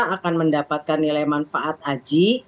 akan mendapatkan nilai manfaat haji